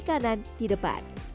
kaki kanan di depan